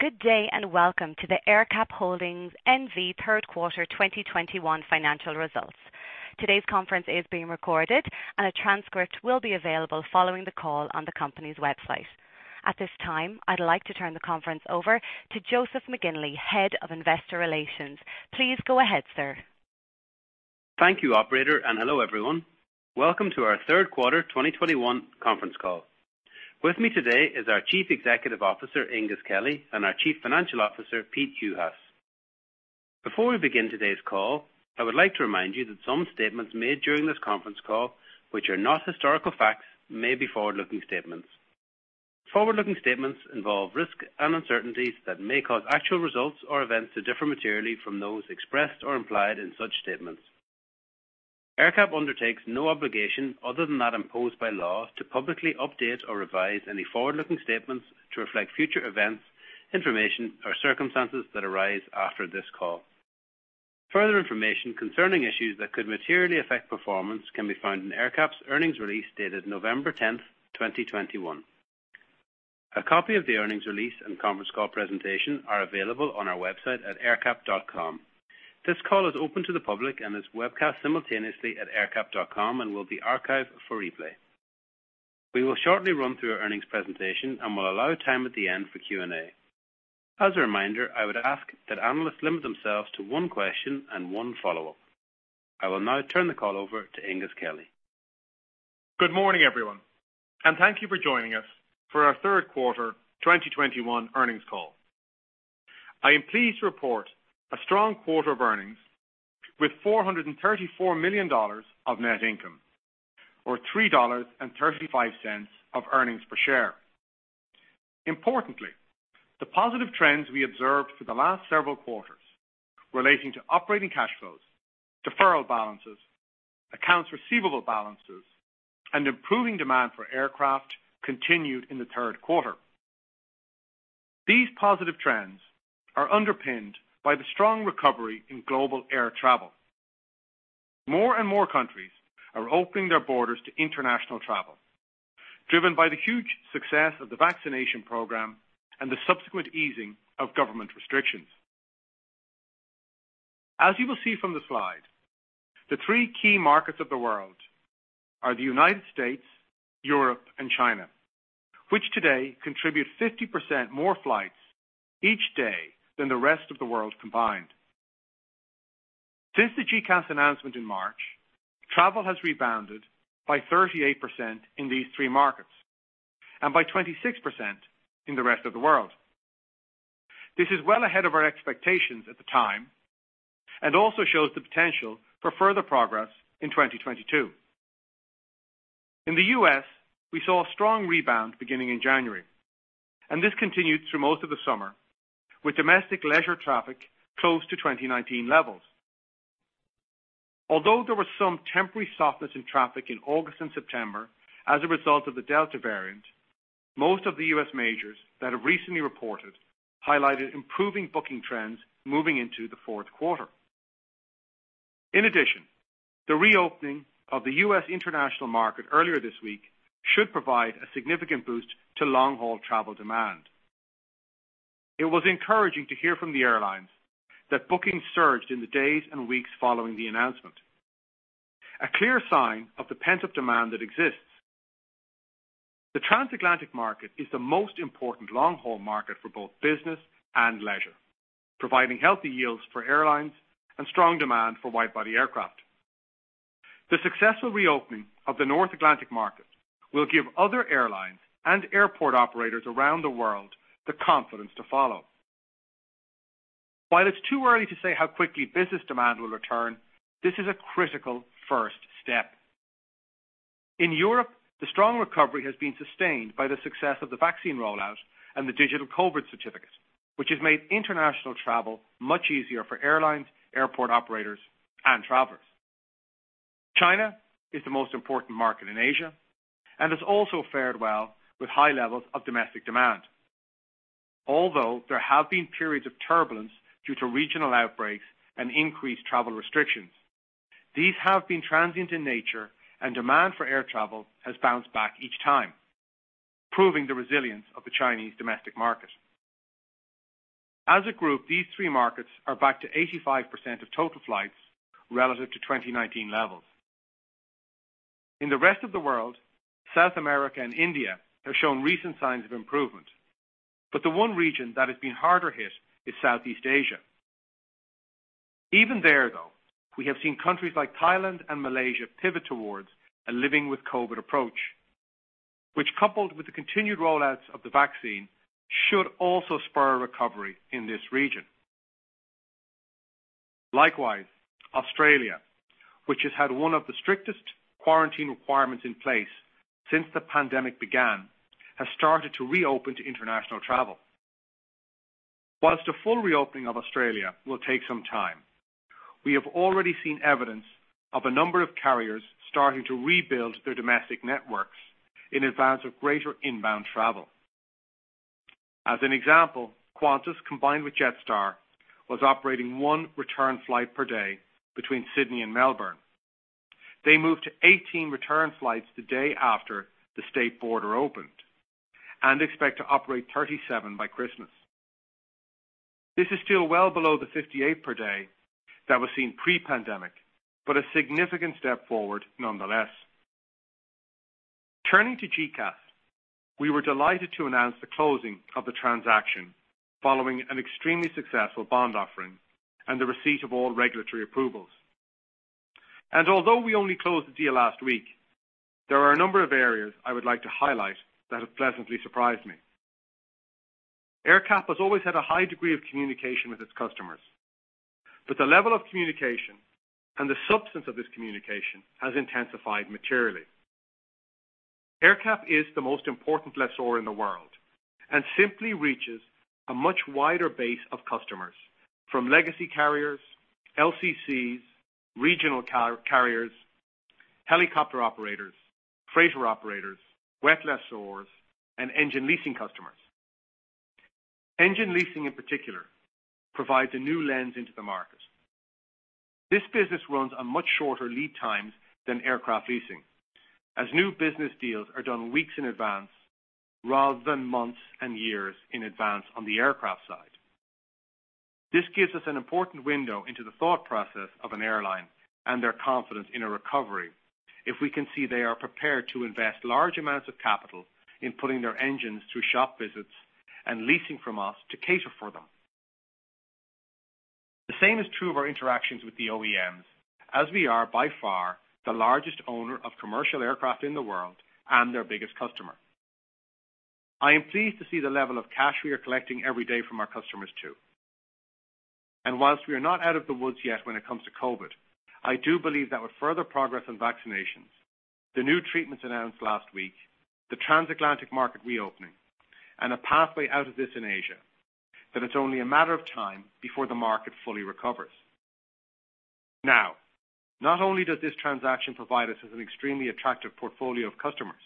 Good day, and welcome to the AerCap Holdings N.V. third quarter 2021 financial results. Today's conference is being recorded, and a transcript will be available following the call on the company's website. At this time, I'd like to turn the conference over to Joseph McGinley, Head of Investor Relations. Please go ahead, sir. Thank you, operator, and hello, everyone. Welcome to our third quarter 2021 conference call. With me today is our Chief Executive Officer, Aengus Kelly, and our Chief Financial Officer, Peter Juhas. Before we begin today's call, I would like to remind you that some statements made during this conference call, which are not historical facts, may be forward-looking statements. Forward-looking statements involve risks and uncertainties that may cause actual results or events to differ materially from those expressed or implied in such statements. AerCap undertakes no obligation other than that imposed by law to publicly update or revise any forward-looking statements to reflect future events, information, or circumstances that arise after this call. Further information concerning issues that could materially affect performance can be found in AerCap's earnings release dated November 10, 2021. A copy of the earnings release and conference call presentation are available on our website at aercap.com. This call is open to the public and is webcast simultaneously at aercap.com and will be archived for replay. We will shortly run through our earnings presentation and will allow time at the end for Q&A. As a reminder, I would ask that analysts limit themselves to one question and one follow-up. I will now turn the call over to Aengus Kelly. Good morning, everyone, and thank you for joining us for our third quarter 2021 earnings call. I am pleased to report a strong quarter of earnings with $434 million of net income, or $3.35 of earnings per share. Importantly, the positive trends we observed for the last several quarters relating to operating cash flows, deferral balances, accounts receivable balances, and improving demand for aircraft continued in the third quarter. These positive trends are underpinned by the strong recovery in global air travel. More and more countries are opening their borders to international travel, driven by the huge success of the vaccination program and the subsequent easing of government restrictions. As you will see from the slide, the three key markets of the world are the United States, Europe, and China, which today contribute 50% more flights each day than the rest of the world combined. Since the GECAS announcement in March, travel has rebounded by 38% in these three markets and by 26% in the rest of the world. This is well ahead of our expectations at the time and also shows the potential for further progress in 2022. In the U.S., we saw a strong rebound beginning in January, and this continued through most of the summer, with domestic leisure traffic close to 2019 levels. Although there was some temporary softness in traffic in August and September as a result of the Delta variant, most of the U.S. majors that have recently reported highlighted improving booking trends moving into the fourth quarter. In addition, the reopening of the U.S. international market earlier this week should provide a significant boost to long-haul travel demand. It was encouraging to hear from the airlines that bookings surged in the days and weeks following the announcement, a clear sign of the pent-up demand that exists. The transatlantic market is the most important long-haul market for both business and leisure, providing healthy yields for airlines and strong demand for wide-body aircraft. The successful reopening of the North Atlantic market will give other airlines and airport operators around the world the confidence to follow. While it's too early to say how quickly business demand will return, this is a critical first step. In Europe, the strong recovery has been sustained by the success of the vaccine rollout and the Digital COVID Certificate, which has made international travel much easier for airlines, airport operators, and travelers. China is the most important market in Asia and has also fared well with high levels of domestic demand. Although there have been periods of turbulence due to regional outbreaks and increased travel restrictions, these have been transient in nature and demand for air travel has bounced back each time, proving the resilience of the Chinese domestic market. As a group, these three markets are back to 85% of total flights relative to 2019 levels. In the rest of the world, South America and India have shown recent signs of improvement, but the one region that has been harder hit is Southeast Asia. Even there, though, we have seen countries like Thailand and Malaysia pivot towards a living with COVID-19 approach, which, coupled with the continued rollouts of the vaccine, should also spur a recovery in this region. Likewise, Australia, which has had one of the strictest quarantine requirements in place since the pandemic began, has started to reopen to international travel. While the full reopening of Australia will take some time, we have already seen evidence of a number of carriers starting to rebuild their domestic networks in advance of greater inbound travel. As an example, Qantas, combined with Jetstar, was operating 1 return flight per day between Sydney and Melbourne. They moved to 18 return flights the day after the state border opened, and expect to operate 37 by Christmas. This is still well below the 58 per day that was seen pre-pandemic, but a significant step forward nonetheless. Turning to GECAS, we were delighted to announce the closing of the transaction following an extremely successful bond offering and the receipt of all regulatory approvals. Although we only closed the deal last week, there are a number of areas I would like to highlight that have pleasantly surprised me. AerCap has always had a high degree of communication with its customers, but the level of communication and the substance of this communication has intensified materially. AerCap is the most important lessor in the world and simply reaches a much wider base of customers, from legacy carriers, LCCs, regional carriers, helicopter operators, freighter operators, wet lessors, and engine leasing customers. Engine leasing, in particular, provides a new lens into the market. This business runs on much shorter lead times than aircraft leasing, as new business deals are done weeks in advance rather than months and years in advance on the aircraft side. This gives us an important window into the thought process of an airline and their confidence in a recovery if we can see they are prepared to invest large amounts of capital in putting their engines through shop visits and leasing from us to cater for them. The same is true of our interactions with the OEMs, as we are, by far, the largest owner of commercial aircraft in the world and their biggest customer. I am pleased to see the level of cash we are collecting every day from our customers, too. While we are not out of the woods yet when it comes to COVID, I do believe that with further progress on vaccinations, the new treatments announced last week, the transatlantic market reopening, and a pathway out of this in Asia, that it's only a matter of time before the market fully recovers. Now, not only does this transaction provide us with an extremely attractive portfolio of customers,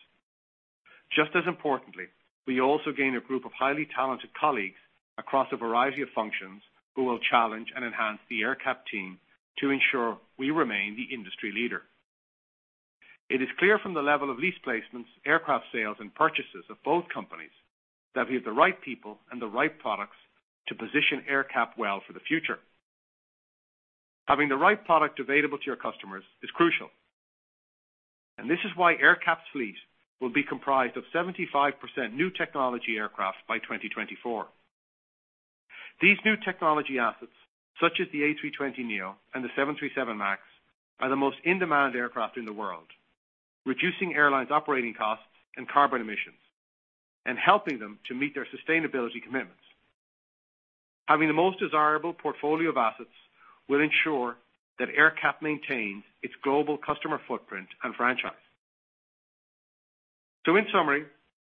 just as importantly, we also gain a group of highly talented colleagues across a variety of functions who will challenge and enhance the AerCap team to ensure we remain the industry leader. It is clear from the level of lease placements, aircraft sales, and purchases of both companies that we have the right people and the right products to position AerCap well for the future. Having the right product available to your customers is crucial, and this is why AerCap's fleet will be comprised of 75% new technology aircraft by 2024. These new technology assets, such as the A320neo and the 737 MAX, are the most in-demand aircraft in the world, reducing airlines' operating costs and carbon emissions and helping them to meet their sustainability commitments. Having the most desirable portfolio of assets will ensure that AerCap maintains its global customer footprint and franchise. In summary,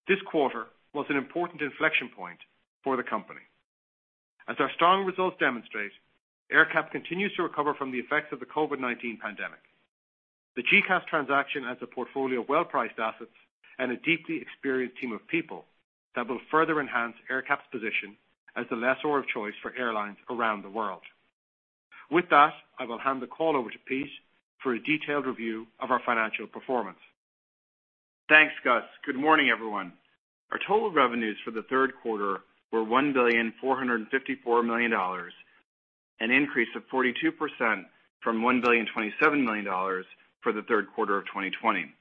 this quarter was an important inflection point for the company. As our strong results demonstrate, AerCap continues to recover from the effects of the COVID-19 pandemic. The GECAS transaction has a portfolio of well-priced assets and a deeply experienced team of people that will further enhance AerCap's position as the lessor of choice for airlines around the world. With that, I will hand the call over to Pete for a detailed review of our financial performance. Thanks, Gus. Good morning, everyone. Our total revenues for the third quarter were $1,454 million, an increase of 42% from $1,027 million for the third quarter of 2020.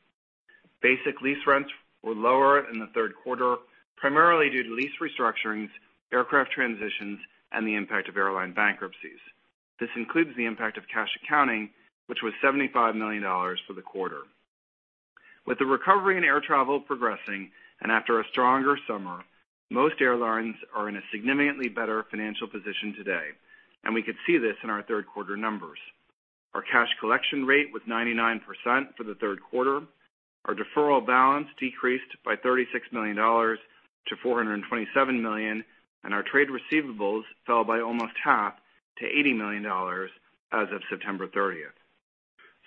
Basic lease rents were lower in the third quarter, primarily due to lease restructurings, aircraft transitions, and the impact of airline bankruptcies. This includes the impact of cash accounting, which was $75 million for the quarter. With the recovery in air travel progressing and after a stronger summer, most airlines are in a significantly better financial position today, and we could see this in our third quarter numbers. Our cash collection rate was 99% for the third quarter. Our deferral balance decreased by $36 million-$427 million, and our trade receivables fell by almost half to $80 million as of September 30.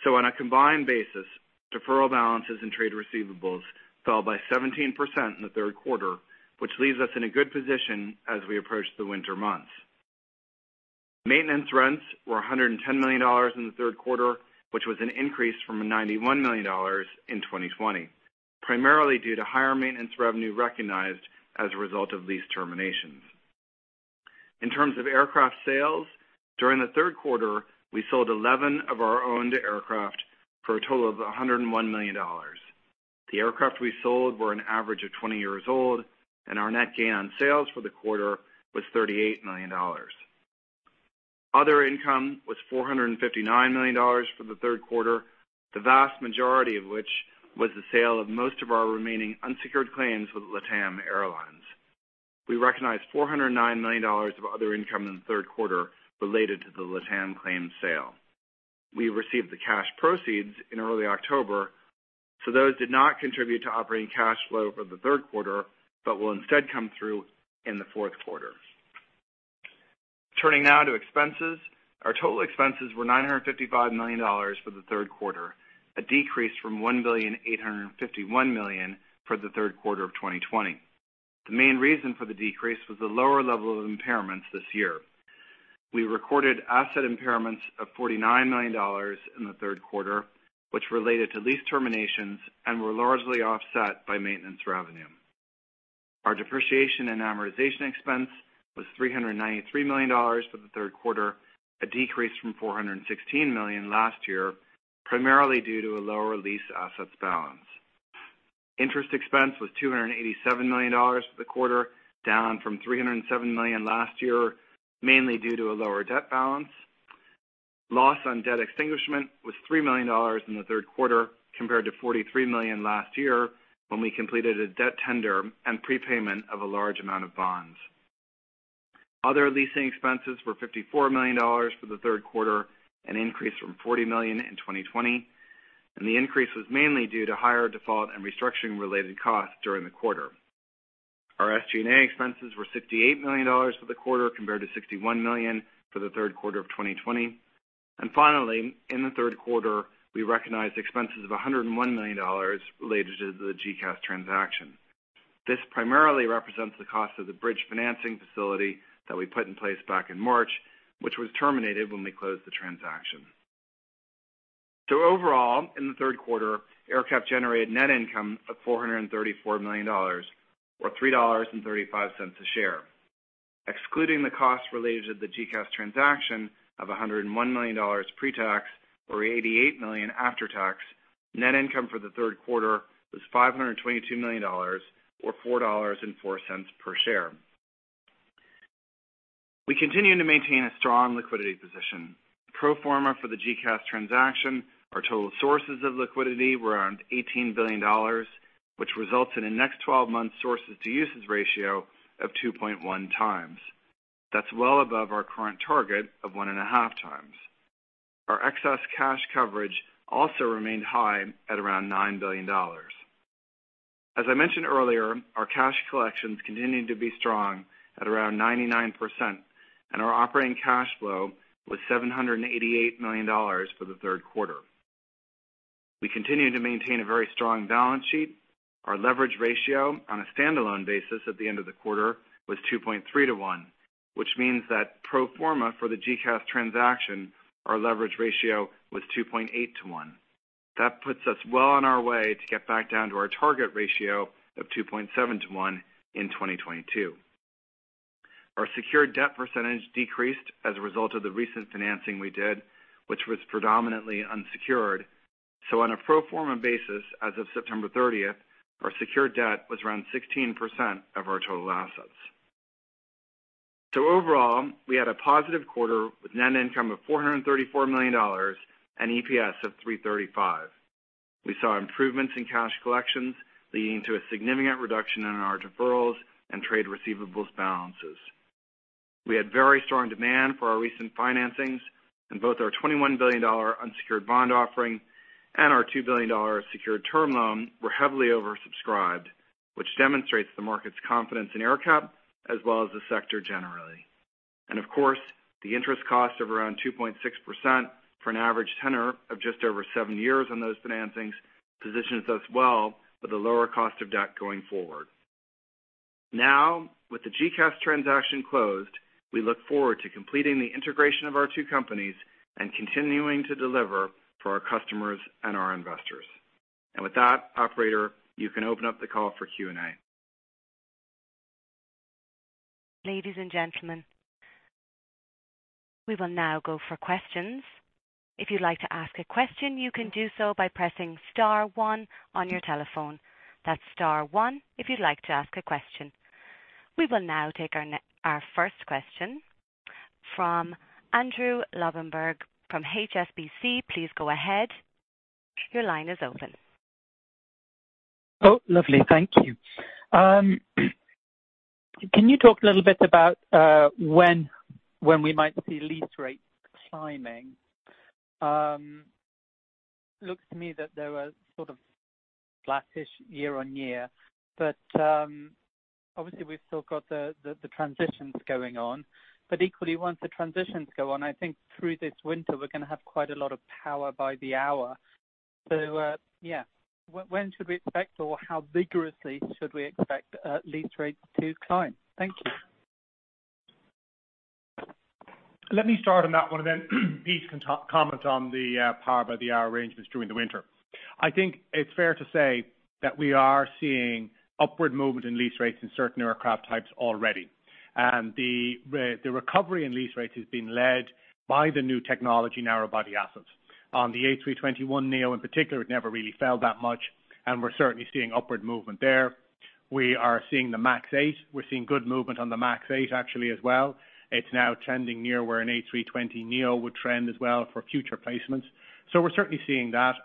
On a combined basis, deferral balances and trade receivables fell by 17% in the third quarter, which leaves us in a good position as we approach the winter months. Maintenance rents were $110 million in the third quarter, which was an increase from $91 million in 2020, primarily due to higher maintenance revenue recognized as a result of lease terminations. In terms of aircraft sales, during the third quarter, we sold 11 of our owned aircraft for a total of $101 million. The aircraft we sold were an average of 20 years old, and our net gain on sales for the quarter was $38 million. Other income was $459 million for the third quarter, the vast majority of which was the sale of most of our remaining unsecured claims with LATAM Airlines. We recognized $409 million of other income in the third quarter related to the LATAM claim sale. We received the cash proceeds in early October, so those did not contribute to operating cash flow for the third quarter, but will instead come through in the fourth quarter. Turning now to expenses. Our total expenses were $955 million for the third quarter, a decrease from $1,851 million for the third quarter of 2020. The main reason for the decrease was the lower level of impairments this year. We recorded asset impairments of $49 million in the third quarter, which related to lease terminations and were largely offset by maintenance revenue. Our depreciation and amortization expense was $393 million for the third quarter, a decrease from $416 million last year, primarily due to a lower lease assets balance. Interest expense was $287 million for the quarter, down from $307 million last year, mainly due to a lower debt balance. Loss on debt extinguishment was $3 million in the third quarter compared to $43 million last year, when we completed a debt tender and prepayment of a large amount of bonds. Other leasing expenses were $54 million for the third quarter, an increase from $40 million in 2020, and the increase was mainly due to higher default and restructuring related costs during the quarter. Our SG&A expenses were $68 million for the quarter compared to $61 million for the third quarter of 2020. Finally, in the third quarter, we recognized expenses of $101 million related to the GECAS transaction. This primarily represents the cost of the bridge financing facility that we put in place back in March, which was terminated when we closed the transaction. Overall, in the third quarter, AerCap generated net income of $434 million or $3.35 a share. Excluding the cost related to the GECAS transaction of $101 million pre-tax or $88 million after tax, net income for the third quarter was $522 million or $4.04 per share. We continue to maintain a strong liquidity position. Pro forma for the GECAS transaction, our total sources of liquidity were around $18 billion, which results in the next 12 months sources to uses ratio of 2.1 times. That's well above our current target of 1.5 times. Our excess cash coverage also remained high at around $9 billion. As I mentioned earlier, our cash collections continued to be strong at around 99%, and our operating cash flow was $788 million for the third quarter. We continue to maintain a very strong balance sheet. Our leverage ratio on a stand-alone basis at the end of the quarter was 2.3 to 1, which means that pro forma for the GECAS transaction, our leverage ratio was 2.8 to 1. That puts us well on our way to get back down to our target ratio of 2.7 to 1 in 2022. Our secured debt percentage decreased as a result of the recent financing we did, which was predominantly unsecured. On a pro forma basis, as of September 30, our secured debt was around 16% of our total assets. Overall, we had a positive quarter with net income of $434 million and EPS of $3.35. We saw improvements in cash collections, leading to a significant reduction in our deferrals and trade receivables balances. We had very strong demand for our recent financings, and both our $21 billion unsecured bond offering and our $2 billion secured term loan were heavily oversubscribed, which demonstrates the market's confidence in AerCap as well as the sector generally. Of course, the interest cost of around 2.6% for an average tenor of just over seven years on those financings positions us well with a lower cost of debt going forward. Now, with the GECAS transaction closed, we look forward to completing the integration of our two companies and continuing to deliver for our customers and our investors. With that, operator, you can open up the call for Q&A. Ladies and gentlemen, we will now go for questions. If you'd like to ask a question, you can do so by pressing star one on your telephone. That's star one if you'd like to ask a question. We will now take our first question from Andrew Lobbenberg from HSBC. Please go ahead. Your line is open. Oh, lovely. Thank you. Can you talk a little bit about when we might see lease rates climbing? Looks to me that there were sort of flattish year on year, but obviously we've still got the transitions going on. But equally, once the transitions go on, I think through this winter, we're gonna have quite a lot of power by the hour. Yeah. When should we expect, or how vigorously should we expect, lease rates to climb? Thank you. Let me start on that one, and then Pete can comment on the power by the hour arrangements during the winter. I think it's fair to say that we are seeing upward movement in lease rates in certain aircraft types already. The recovery in lease rates has been led by the new technology narrow body assets. On the A321neo in particular, it never really fell that much, and we're certainly seeing upward movement there. We are seeing the MAX 8. We're seeing good movement on the MAX 8 actually as well. It's now trending near where an A320neo would trend as well for future placements. We're certainly seeing that.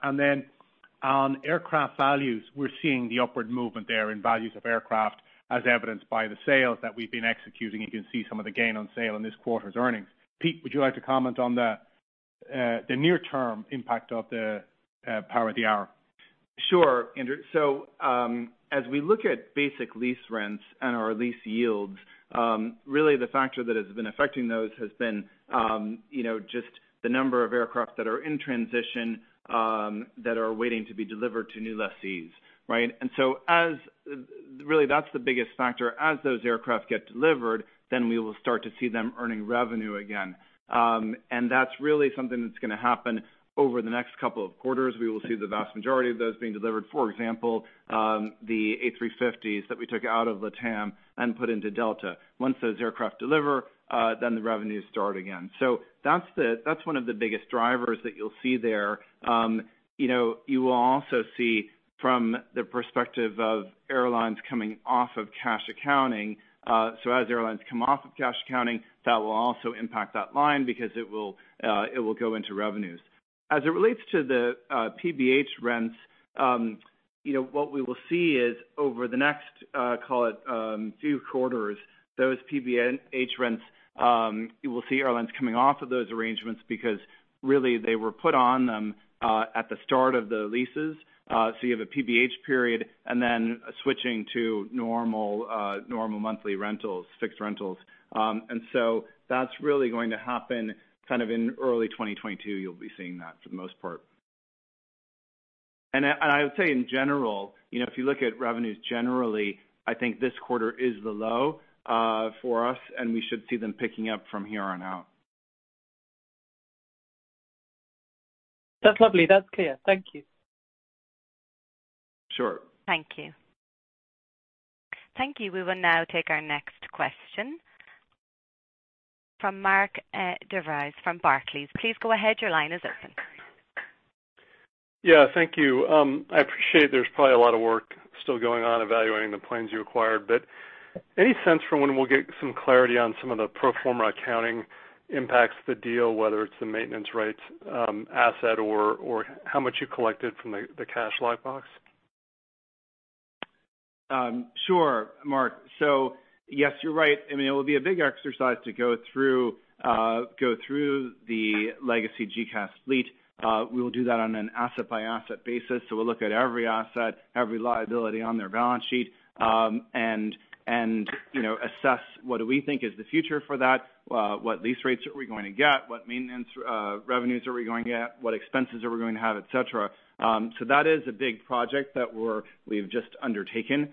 On aircraft values, we're seeing the upward movement there in values of aircraft as evidenced by the sales that we've been executing. You can see some of the gain on sale in this quarter's earnings. Pete, would you like to comment on that? The near term impact of the power by the hour. Sure, Andew. As we look at basic lease rents and our lease yields, really the factor that has been affecting those has been, you know, just the number of aircraft that are in transition, that are waiting to be delivered to new lessees, right? Really, that's the biggest factor. As those aircraft get delivered, we will start to see them earning revenue again. That's really something that's gonna happen over the next couple of quarters. We will see the vast majority of those being delivered. For example, the A350s that we took out of LATAM and put into Delta. Once those aircraft deliver, the revenues start again. That's one of the biggest drivers that you'll see there. You know, you will also see from the perspective of airlines coming off of cash accounting. As airlines come off of cash accounting, that will also impact that line because it will go into revenues. As it relates to the PBH rents, you know, what we will see is over the next, call it, few quarters, those PBH rents, you will see airlines coming off of those arrangements because really they were put on them at the start of the leases. You have a PBH period and then switching to normal monthly rentals, fixed rentals. That's really going to happen kind of in early 2022, you'll be seeing that for the most part. I would say in general, you know, if you look at revenues generally, I think this quarter is the low for us, and we should see them picking up from here on out. That's lovely. That's clear. Thank you. Sure. Thank you. We will now take our next question from Mark DeVries from Barclays. Please go ahead. Your line is open. Yeah, thank you. I appreciate there's probably a lot of work still going on evaluating the planes you acquired. Any sense for when we'll get some clarity on some of the pro forma accounting impacts of the deal, whether it's the maintenance rights asset or how much you collected from the cash lockbox? Sure, Mark. Yes, you're right. I mean, it will be a big exercise to go through the legacy GECAS fleet. We will do that on an asset-by-asset basis. We'll look at every asset, every liability on their balance sheet, and, you know, assess what do we think is the future for that, what lease rates are we going to get, what maintenance revenues are we going to get, what expenses are we going to have, et cetera. That is a big project that we've just undertaken.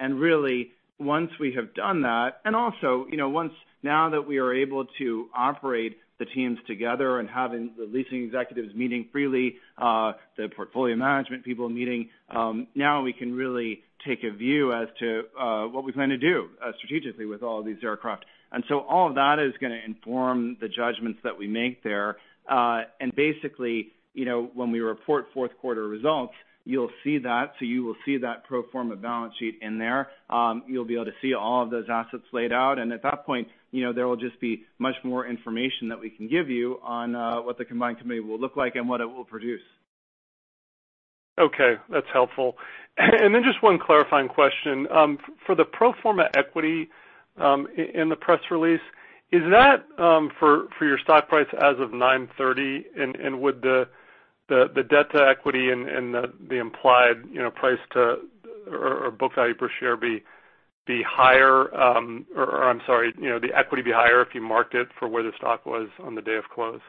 Really once we have done that, and also, you know, once now that we are able to operate the teams together and having the leasing executives meeting freely, the portfolio management people meeting, now we can really take a view as to what we plan to do strategically with all these aircraft. All of that is gonna inform the judgments that we make there. Basically, you know, when we report fourth quarter results, you'll see that. You will see that pro forma balance sheet in there. You'll be able to see all of those assets laid out, and at that point, you know, there will just be much more information that we can give you on what the combined committee will look like and what it will produce. Okay, that's helpful. Just one clarifying question. For the pro forma equity in the press release, is that for your stock price as of 9:30 A.M.? Would the debt to equity and the implied, you know, price to book value per share be higher? Or I'm sorry, you know, the equity be higher if you marked it for where the stock was on the day of close.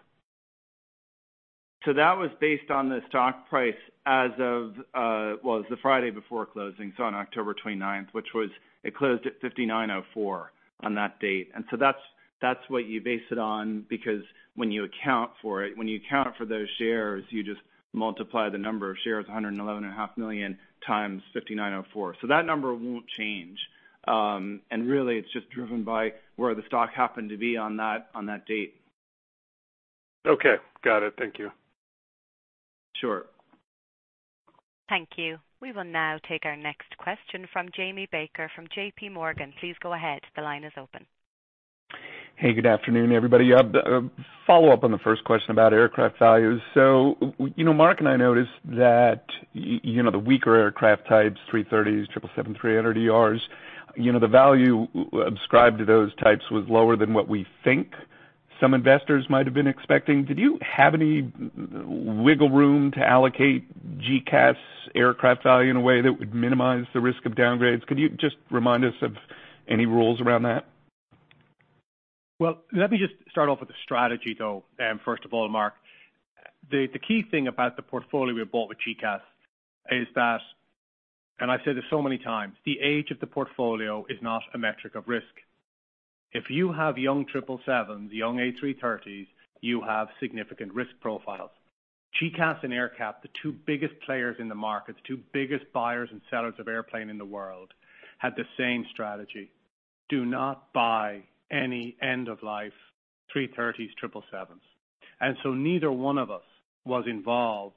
That was based on the stock price as of, well, it was the Friday before closing, so on October 29. It closed at $59.04 on that date. That's what you base it on, because when you account for those shares, you just multiply the number of shares, 111.5 million, times $59.04. That number won't change. Really it's just driven by where the stock happened to be on that date. Okay. Got it. Thank you. Sure. Thank you. We will now take our next question from Jamie Baker from JPMorgan. Please go ahead. The line is open. Hey, good afternoon, everybody. You know, Mark and I noticed that you know, the weaker aircraft types, A330, 777-300ER, you know, the value ascribed to those types was lower than what we think some investors might have been expecting. Did you have any wiggle room to allocate GECAS aircraft value in a way that would minimize the risk of downgrades? Could you just remind us of any rules around that? Well, let me just start off with the strategy, though, first of all, Mark. The key thing about the portfolio we bought with GECAS is that, and I've said this so many times, the age of the portfolio is not a metric of risk. If you have young 777s, young A330s, you have significant risk profiles. GECAS and AerCap, the two biggest players in the market, the two biggest buyers and sellers of airplane in the world, had the same strategy. Do not buy any end-of-life A330s, 777s. Neither one of us was involved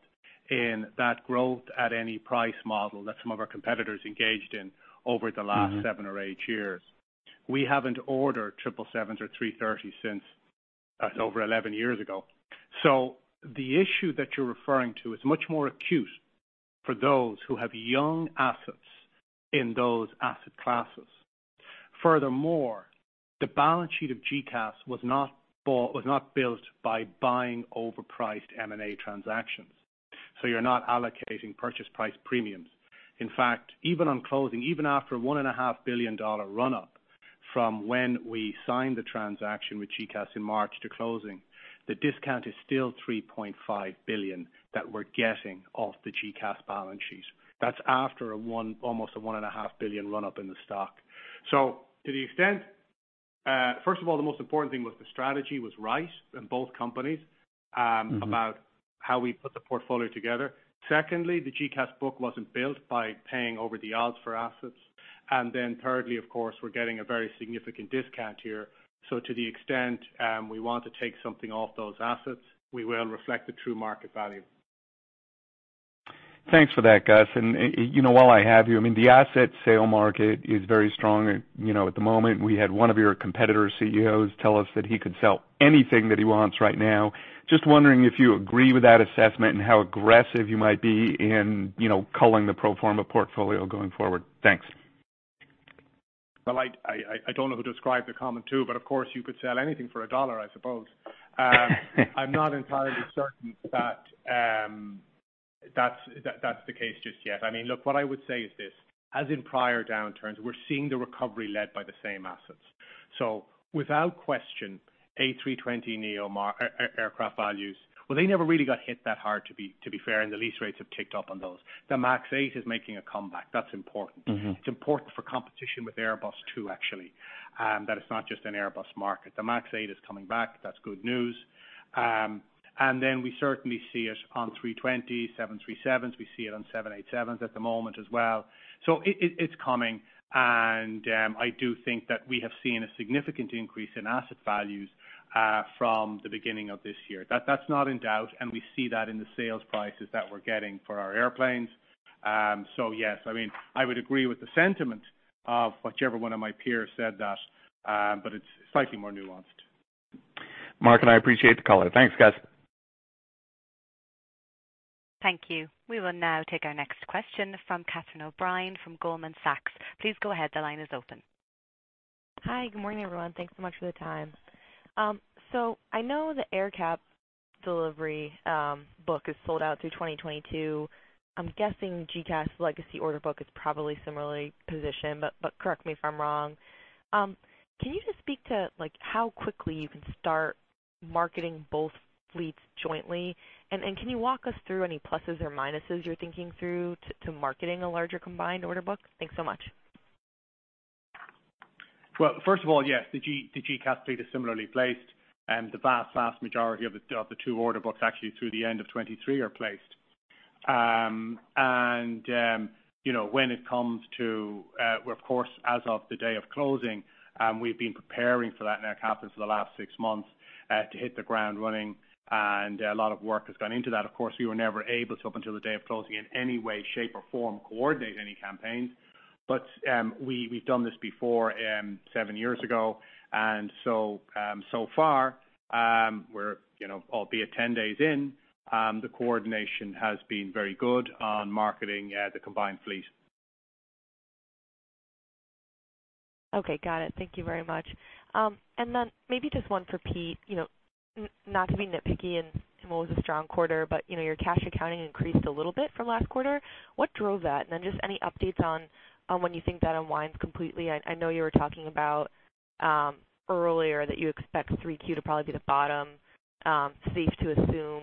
in that growth at any price model that some of our competitors engaged in over the last 7 or 8 years. We haven't ordered 777s or A330s since over 11 years ago. The issue that you're referring to is much more acute for those who have young assets in those asset classes. Furthermore, the balance sheet of GECAS was not bought, was not built by buying overpriced M&A transactions. You're not allocating purchase price premiums. In fact, even on closing, even after a $1.5 billion run up from when we signed the transaction with GECAS in March to closing, the discount is still $3.5 billion that we're getting off the GECAS balance sheet. That's after $1, almost $1.5 billion run up in the stock. To the extent, first of all, the most important thing was the strategy was right in both companies. Mm-hmm. About how we put the portfolio together. Secondly, the GECAS book wasn't built by paying over the odds for assets. Thirdly, of course, we're getting a very significant discount here. To the extent we want to take something off those assets, we will reflect the true market value. Thanks for that, Gus. While I have you, I mean, the asset sale market is very strong, you know, at the moment. We had one of your competitor CEOs tell us that he could sell anything that he wants right now. Just wondering if you agree with that assessment and how aggressive you might be in, you know, culling the pro forma portfolio going forward. Thanks. I don't know who described the comment too, but of course you could sell anything for a dollar, I suppose. I'm not entirely certain that that's the case just yet. I mean, look, what I would say is this, as in prior downturns, we're seeing the recovery led by the same assets. Without question, A320neo narrow-body aircraft values. Well, they never really got hit that hard to be fair, and the lease rates have ticked up on those. The MAX 8 is making a comeback. That's important. Mm-hmm. It's important for competition with Airbus too, actually, that it's not just an Airbus market. The MAX 8 is coming back. That's good news. And then we certainly see it on A320, 737s. We see it on 787s at the moment as well. It's coming, and I do think that we have seen a significant increase in asset values from the beginning of this year. That's not in doubt, and we see that in the sales prices that we're getting for our airplanes. So yes, I mean, I would agree with the sentiment of whichever one of my peers said that, but it's slightly more nuanced. Mark, and I appreciate the call. Thanks, Gus. Thank you. We will now take our next question from Catherine O'Brien from Goldman Sachs. Please go ahead. The line is open. Hi, good morning, everyone. Thanks so much for the time. So I know the AerCap delivery book is sold out through 2022. I'm guessing GECAS legacy order book is probably similarly positioned, but correct me if I'm wrong. Can you just speak to, like, how quickly you can start marketing both fleets jointly? Can you walk us through any pluses or minuses you're thinking through to marketing a larger combined order book? Thanks so much. Well, first of all, yes, the GECAS fleet is similarly placed, and the vast majority of the two order books actually through the end of 2023 are placed. You know, when it comes to, of course, as of the day of closing, we've been preparing for that in AerCap for the last six months, to hit the ground running, and a lot of work has gone into that. Of course, we were never able to, up until the day of closing in any way, shape, or form, coordinate any campaigns. We've done this before, seven years ago. So far, we're, you know, albeit 10 days in, the coordination has been very good on marketing the combined fleet. Okay. Got it. Thank you very much. Maybe just one for Pete. You know, not to be nitpicky in what was a strong quarter, but, you know, your Cash Accounting increased a little bit from last quarter. What drove that? And then just any updates on when you think that unwinds completely. I know you were talking about earlier that you expect Q3 to probably be the bottom. Safe to assume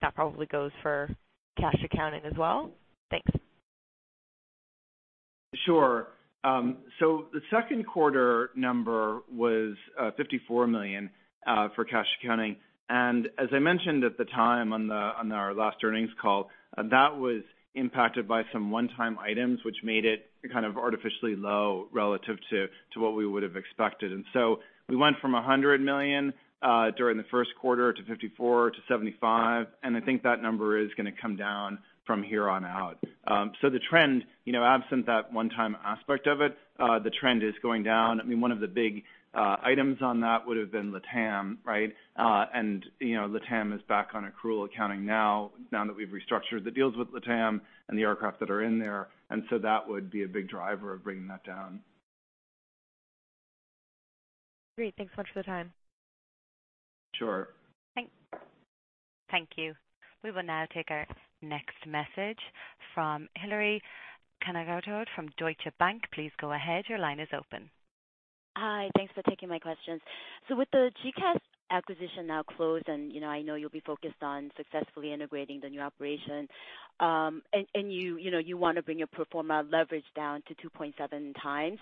that probably goes for Cash Accounting as well? Thanks. Sure. The second quarter number was $54 million for Cash Accounting. As I mentioned at the time on our last earnings call, that was impacted by some one-time items which made it kind of artificially low relative to what we would have expected. We went from $100 million during the first quarter to $54 million-$75 million, and I think that number is gonna come down from here on out. The trend, you know, absent that one-time aspect of it, the trend is going down. I mean, one of the big items on that would have been LATAM, right? And you know, LATAM is back on accrual accounting now that we've restructured the deals with LATAM and the aircraft that are in there. That would be a big driver of bringing that down. Great. Thanks so much for the time. Sure. Thank you. We will now take our next message from Hillary Cacanando from Deutsche Bank. Please go ahead. Your line is open. Hi. Thanks for taking my questions. With the GECAS acquisition now closed, and, you know, I know you'll be focused on successfully integrating the new operation, and you know you want to bring your pro forma leverage down to 2.7x.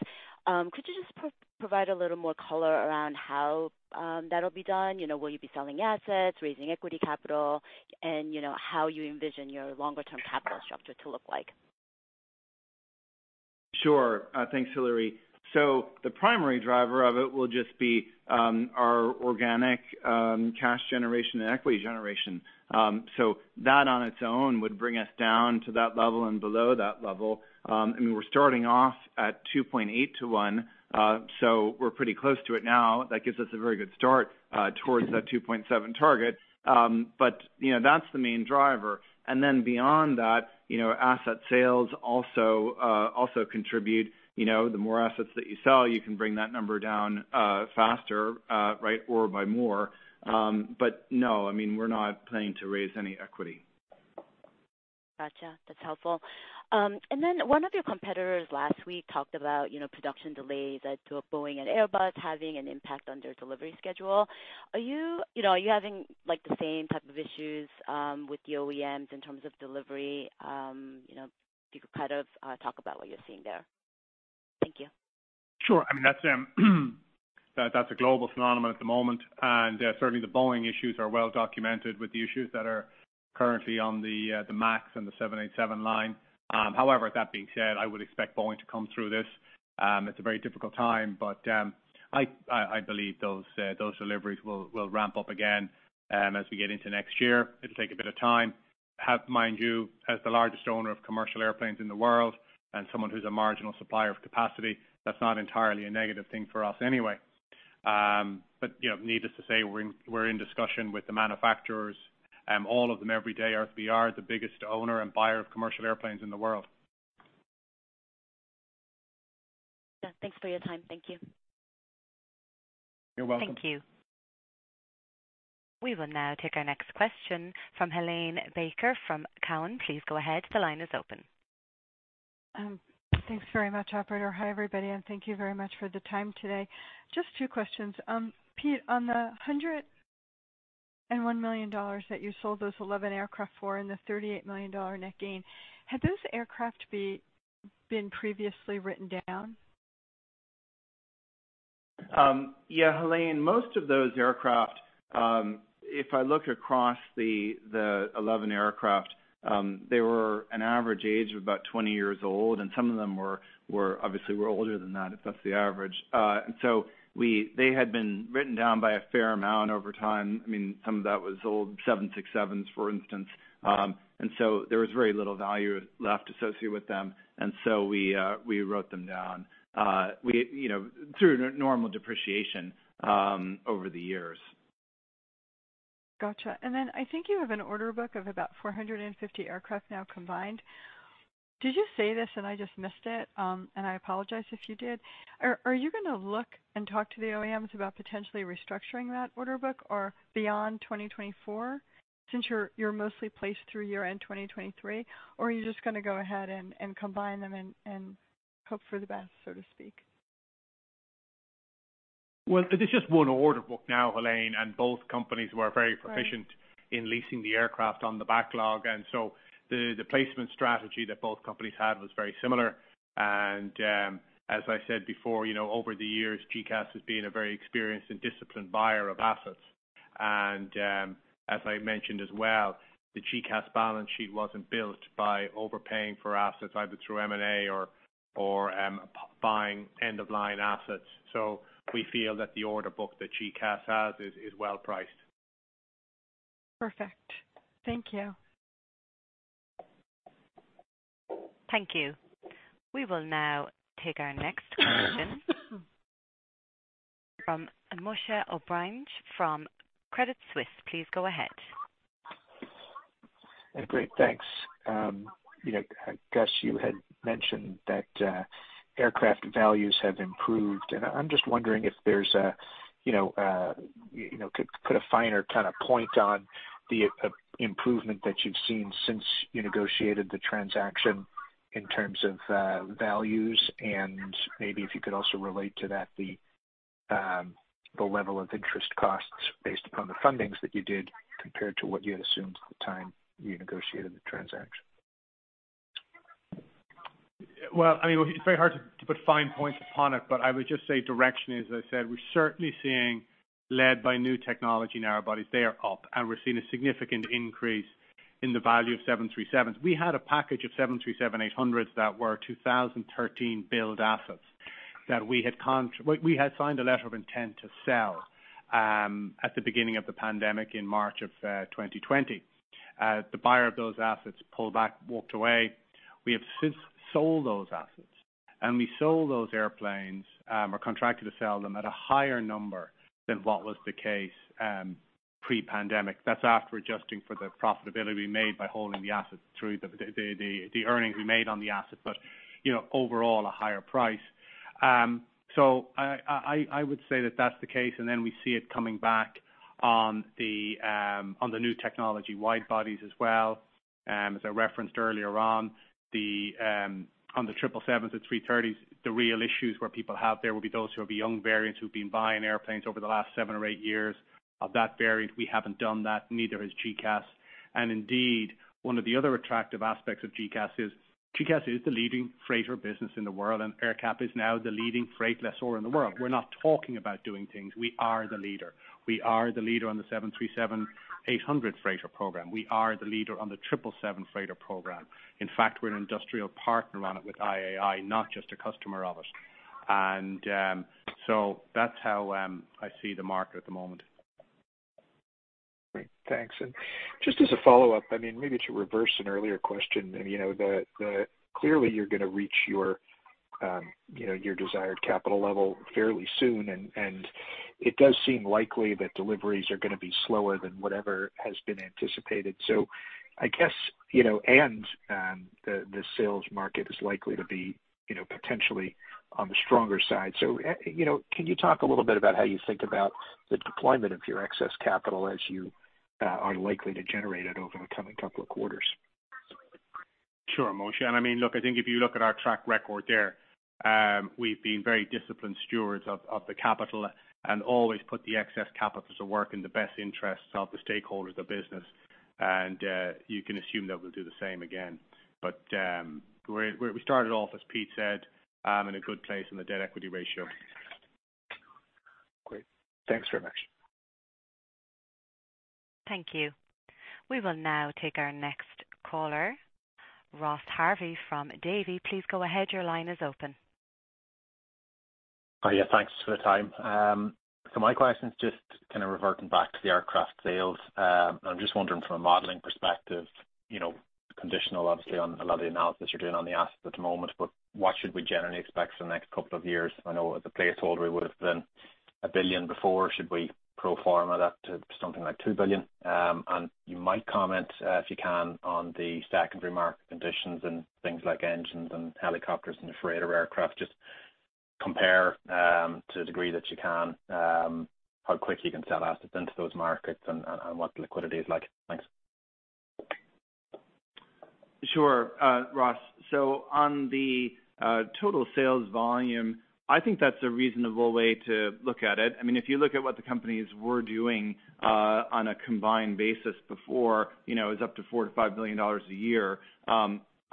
Could you just provide a little more color around how that'll be done? You know, will you be selling assets, raising equity capital, and, you know, how you envision your longer-term capital structure to look like? Sure. Thanks, Hillary. The primary driver of it will just be our organic cash generation and equity generation. That on its own would bring us down to that level and below that level. We're starting off at 2.8 to 1, so we're pretty close to it now. That gives us a very good start towards that 2.7 target. You know, that's the main driver. Beyond that, you know, asset sales also contribute. You know, the more assets that you sell, you can bring that number down faster, right, or by more. No, I mean, we're not planning to raise any equity. Gotcha. That's helpful. Then one of your competitors last week talked about, you know, production delays at Boeing and Airbus having an impact on their delivery schedule. Are you know, having, like, the same type of issues with the OEMs in terms of delivery? You know, if you could kind of talk about what you're seeing there. Thank you. Sure. I mean, that's a global phenomenon at the moment. Certainly the Boeing issues are well documented with the issues that are currently on the MAX and the 787 line. However, that being said, I would expect Boeing to come through this. It's a very difficult time, but I believe those deliveries will ramp up again as we get into next year. It'll take a bit of time. Mind you, as the largest owner of commercial airplanes in the world and someone who's a marginal supplier of capacity, that's not entirely a negative thing for us anyway. You know, needless to say, we're in discussion with the manufacturers, all of them every day, as we are the biggest owner and buyer of commercial airplanes in the world. Yeah. Thanks for your time. Thank you. You're welcome. Thank you. We will now take our next question from Helane Becker from Cowen. Please go ahead. The line is open. Thanks very much, operator. Hi, everybody, and thank you very much for the time today. Just two questions. Pete, on the $101 million that you sold those 11 aircraft for and the $38 million net gain, had those aircraft been previously written down? Yeah, Helane, most of those aircraft, if I look across the 11 aircraft, they were an average age of about 20 years old, and some of them were obviously older than that, if that's the average. They had been written down by a fair amount over time. I mean, some of that was old 767s, for instance. There was very little value left associated with them, and so we wrote them down, you know, through normal depreciation over the years. Gotcha. I think you have an order book of about 450 aircraft now combined. Did you say this and I just missed it? I apologize if you did. Are you gonna look and talk to the OEMs about potentially restructuring that order book or beyond 2024 since you're mostly placed through year-end 2023? Or are you just gonna go ahead and combine them and hope for the best, so to speak? Well, it is just one order book now, Helane, and both companies were very proficient. Right. In leasing the aircraft on the backlog. The placement strategy that both companies had was very similar. As I said before, you know, over the years, GECAS has been a very experienced and disciplined buyer of assets. As I mentioned as well, the GECAS balance sheet wasn't built by overpaying for assets, either through M&A or buying end-of-line assets. We feel that the order book that GECAS has is well priced. Perfect. Thank you. Thank you. We will now take our next question from Moshe Orenbuch from Credit Suisse. Please go ahead. Great. Thanks. You know, Gus, you had mentioned that aircraft values have improved, and I'm just wondering if you could put a finer kind of point on the improvement that you've seen since you negotiated the transaction in terms of values and maybe if you could also relate to that the level of interest costs based upon the fundings that you did compared to what you had assumed at the time you negotiated the transaction. Well, I mean, it's very hard to put fine points upon it, but I would just say direction, as I said, we're certainly seeing led by new technology narrow bodies. They are up, and we're seeing a significant increase in the value of 737s. We had a package of 737-800s that were 2013 build assets that we had signed a letter of intent to sell at the beginning of the pandemic in March 2020. The buyer of those assets pulled back, walked away. We have since sold those assets, and we sold those airplanes or contracted to sell them at a higher number than what was the case pre-pandemic. That's after adjusting for the profitability we made by holding the assets through the earnings we made on the asset, but you know, overall a higher price. I would say that that's the case, and then we see it coming back on the new technology wide bodies as well. As I referenced earlier, on the 777s and A330s, the real issues that people have there will be those who have young variants who've been buying airplanes over the last 7 or 8 years. Of that variant, we haven't done that, neither has GECAS. Indeed, one of the other attractive aspects of GECAS is GECAS is the leading freighter business in the world, and AerCap is now the leading freighter lessor in the world. We're not talking about doing things. We are the leader. We are the leader on the 737-800 freighter program. We are the leader on the 777 freighter program. In fact, we're an industrial partner on it with IAI, not just a customer of it. That's how I see the market at the moment. Great. Thanks. Just as a follow-up, I mean, maybe to reverse an earlier question, you know, clearly you're gonna reach your, you know, your desired capital level fairly soon and it does seem likely that deliveries are gonna be slower than whatever has been anticipated. I guess, you know, and The sales market is likely to be, you know, potentially on the stronger side. You know, can you talk a little bit about how you think about the deployment of your excess capital as you are likely to generate it over the coming couple of quarters? Sure, Moshe. I mean, look, I think if you look at our track record there, we've been very disciplined stewards of the capital and always put the excess capital to work in the best interests of the stakeholders of the business. You can assume that we'll do the same again. We started off, as Pete said, in a good place in the debt equity ratio. Great. Thanks very much. Thank you. We will now take our next caller, Ross Harvey from Davy. Please go ahead. Your line is open. Oh, yeah. Thanks for the time. So my question is just kind of reverting back to the aircraft sales. I'm just wondering from a modeling perspective, you know, conditional obviously on a lot of the analysis you're doing on the assets at the moment, but what should we generally expect for the next couple of years? I know the placeholder would have been $1 billion before. Should we pro forma that to something like $2 billion? And you might comment, if you can, on the secondary market conditions and things like engines and helicopters and the freighter aircraft. Just compare, to the degree that you can, how quick you can sell assets into those markets and what the liquidity is like. Thanks. Sure, Ross. On the total sales volume, I think that's a reasonable way to look at it. I mean, if you look at what the companies were doing on a combined basis before, you know, it was up to $4 billion-$5 billion a year.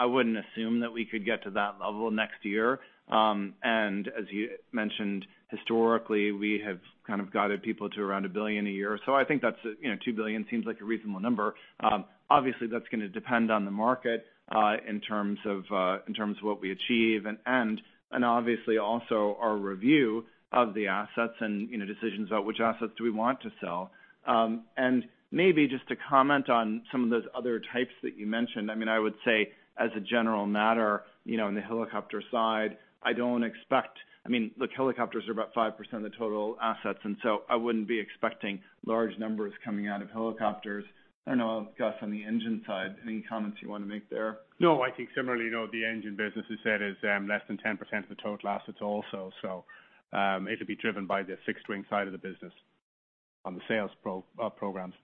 I wouldn't assume that we could get to that level next year. As you mentioned, historically, we have kind of guided people to around $1 billion a year. I think that's, you know, $2 billion seems like a reasonable number. Obviously that's gonna depend on the market in terms of what we achieve and obviously also our review of the assets and, you know, decisions about which assets do we want to sell. Maybe just to comment on some of those other types that you mentioned. I mean, I would say as a general matter, you know, in the helicopter side, I don't expect. I mean, look, helicopters are about 5% of the total assets, and so I wouldn't be expecting large numbers coming out of helicopters. I don't know, Gus, on the engine side, any comments you wanna make there? No, I think similarly, you know, the engine business, as you said, is less than 10% of the total assets also. It'll be driven by the fixed-wing side of the business on the sales programs.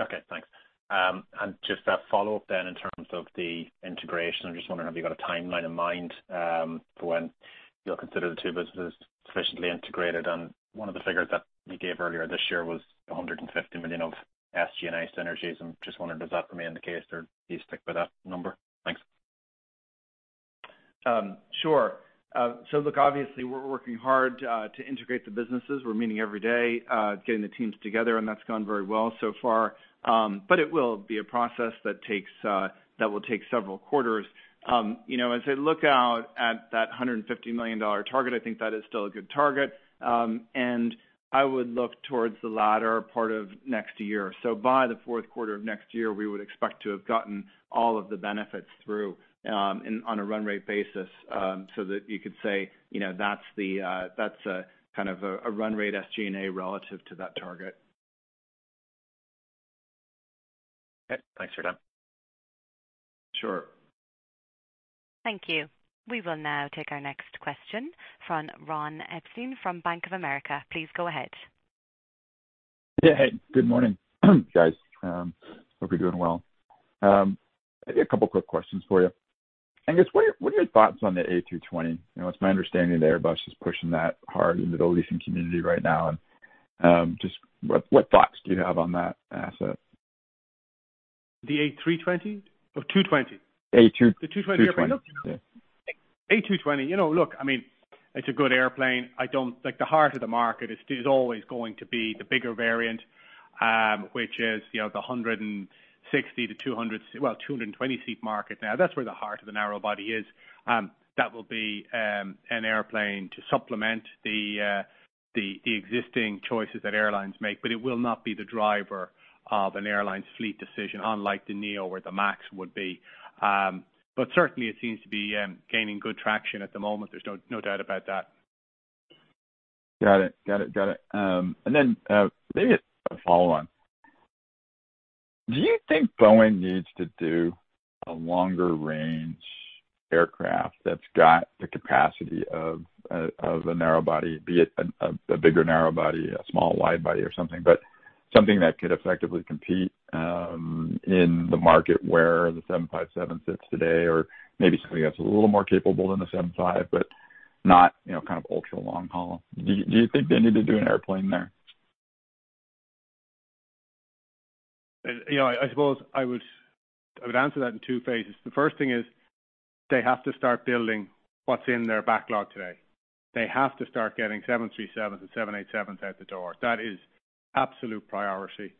Okay, thanks. Just a follow-up in terms of the integration. I'm just wondering, have you got a timeline in mind, for when you'll consider the two businesses sufficiently integrated? One of the figures that you gave earlier this year was $150 million of SG&A synergies. I'm just wondering, does that remain the case or do you stick with that number? Thanks. Sure. Look, obviously, we're working hard to integrate the businesses. We're meeting every day, getting the teams together, and that's gone very well so far. It will be a process that will take several quarters. You know, as I look out at that $150 million target, I think that is still a good target. I would look towards the latter part of next year. By the fourth quarter of next year, we would expect to have gotten all of the benefits through, and on a run rate basis, so that you could say, you know, that's kind of a run rate SG&A relative to that target. Okay. Thanks for your time. Sure. Thank you. We will now take our next question from Ron Epstein from Bank of America. Please go ahead. Yeah. Good morning, guys. Hope you're doing well. I have a couple quick questions for you. Aengus, what are your thoughts on the A220? You know, it's my understanding that Airbus is pushing that hard into the leasing community right now. Just what thoughts do you have on that asset? The A320 or 220? A2- The 220. 220. Yeah. A220. You know, look, I mean, it's a good airplane. Like, the heart of the market is always going to be the bigger variant, which is, you know, the 160 to 200, well, 220 seat market. Now, that's where the heart of the narrow-body is. That will be an airplane to supplement the existing choices that airlines make, but it will not be the driver of an airline's fleet decision, unlike the Neo or the Max would be. But certainly it seems to be gaining good traction at the moment. There's no doubt about that. Got it. Maybe a follow on. Do you think Boeing needs to do a longer range aircraft that's got the capacity of a narrow body, be it a bigger narrow body, a small wide body or something, but something that could effectively compete in the market where the 757 sits today, or maybe something that's a little more capable than the 757, but not, you know, kind of ultra-long haul? Do you think they need to do an airplane there? You know, I suppose I would answer that in two phases. The first thing is they have to start building what's in their backlog today. They have to start getting 737s and 787s out the door. That is absolute priority.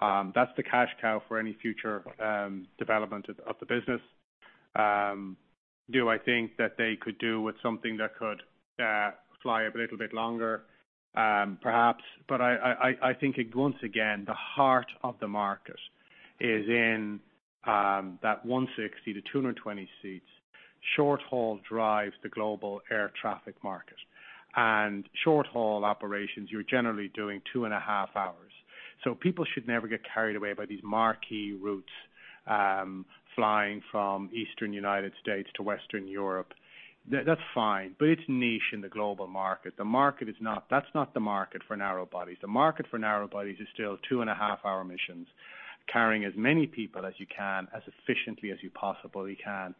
That's the cash cow for any future development of the business. Do I think that they could do with something that could fly a little bit longer? Perhaps. I think once again, the heart of the market is in that 160-220 seats. Short-haul drives the global air traffic market and short-haul operations, you're generally doing two and a half hours, so people should never get carried away by these marquee routes, flying from eastern United States to western Europe. That's fine, but it's niche in the global market. That's not the market for narrow bodies. The market for narrow bodies is still 2.5-hour missions, carrying as many people as you can as efficiently as you possibly can.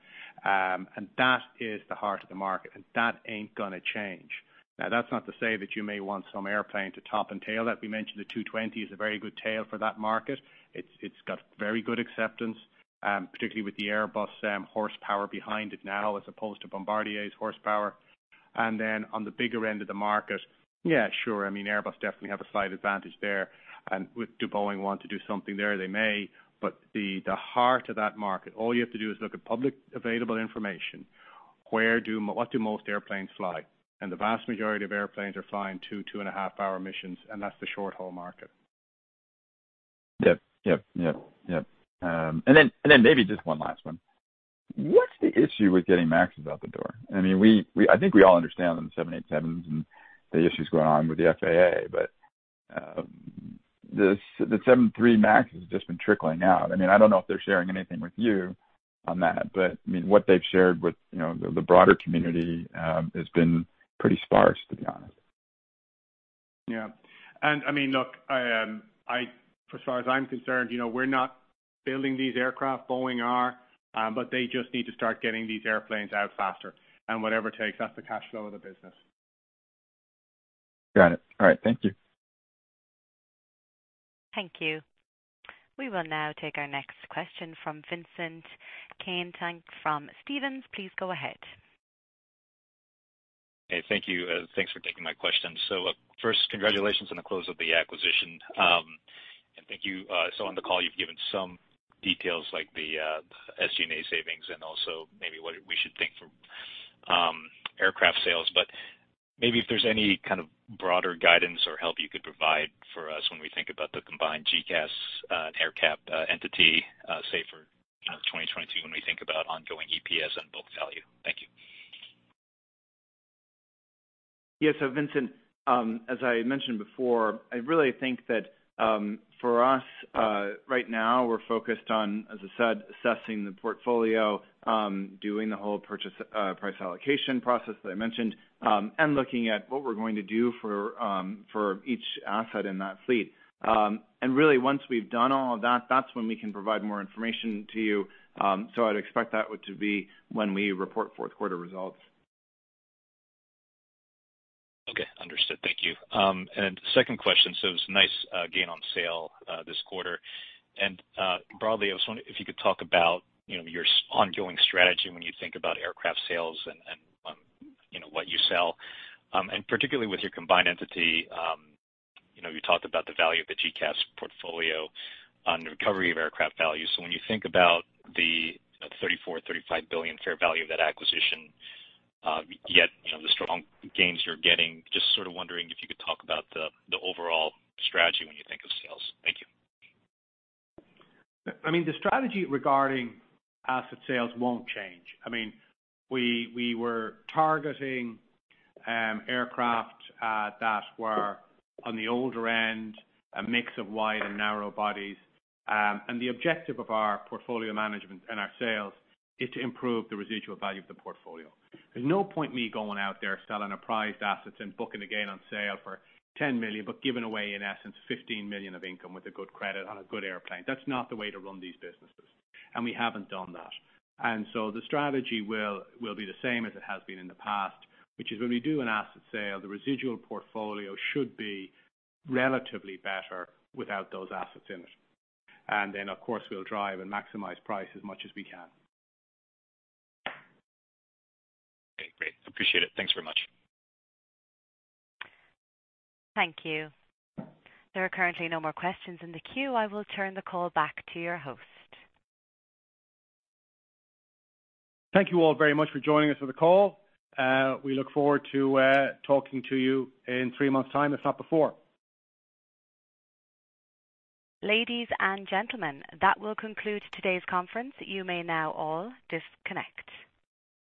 That is the heart of the market, and that ain't gonna change. Now, that's not to say that you may want some airplane to top and tail that. We mentioned the two-twenty is a very good tail for that market. It's got very good acceptance, particularly with the Airbus horsepower behind it now, as opposed to Bombardier's horsepower. On the bigger end of the market, yeah, sure, I mean, Airbus definitely have a slight advantage there. Would Boeing want to do something there, they may. The heart of that market, all you have to do is look at publicly available information. What do most airplanes fly? The vast majority of airplanes are flying 2.5-hour missions, and that's the short-haul market. Yep. Maybe just one last one. What's the issue with getting MAXes out the door? I mean, we think we all understand the 787s and the issues going on with the FAA, but the 737 MAX has just been trickling out. I mean, I don't know if they're sharing anything with you on that, but I mean, what they've shared with, you know, the broader community has been pretty sparse, to be honest. Yeah. I mean, look, as far as I'm concerned, you know, we're not building these aircraft, Boeing are, but they just need to start getting these airplanes out faster and whatever it takes, that's the cash flow of the business. Got it. All right. Thank you. Thank you. We will now take our next question from Vincent Caintic from Stephens. Please go ahead. Hey, thank you. Thanks for taking my question. First, congratulations on the close of the acquisition. Thank you. On the call, you've given some details like the SG&A savings and also maybe what we should think for aircraft sales, but maybe if there's any kind of broader guidance or help you could provide for us when we think about the combined GECAS and AerCap entity, say for, you know, 2020 when we think about ongoing EPS and book value. Thank you. Yeah. Vincent, as I mentioned before, I really think that, for us, right now we're focused on, as I said, assessing the portfolio, doing the whole purchase price allocation process that I mentioned, and looking at what we're going to do for each asset in that fleet. Really once we've done all of that's when we can provide more information to you. I'd expect that one to be when we report fourth quarter results. Okay. Understood. Thank you. Second question. It was a nice gain on sale this quarter. Broadly, I was wondering if you could talk about, you know, your ongoing strategy when you think about aircraft sales and, you know, what you sell. Particularly with your combined entity, you know, you talked about the value of the GECAS portfolio on the recovery of aircraft value. When you think about the $34-$35 billion fair value of that acquisition, yet, you know, the strong gains you're getting, just sort of wondering if you could talk about the overall strategy when you think of sales. Thank you. I mean, the strategy regarding asset sales won't change. I mean, we were targeting aircraft that were on the older end, a mix of wide and narrow bodies. The objective of our portfolio management and our sales is to improve the residual value of the portfolio. There's no point in me going out there selling a prized asset and booking a gain on sale for $10 million, but giving away, in essence, $15 million of income with a good credit on a good airplane. That's not the way to run these businesses, and we haven't done that. The strategy will be the same as it has been in the past, which is when we do an asset sale, the residual portfolio should be relatively better without those assets in it. Of course, we'll drive and maximize price as much as we can. Okay, great. Appreciate it. Thanks very much. Thank you. There are currently no more questions in the queue. I will turn the call back to your host. Thank you all very much for joining us for the call. We look forward to talking to you in three months time, if not before. Ladies and gentlemen, that will conclude today's conference. You may now all disconnect.